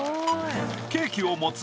ケーキを持つ。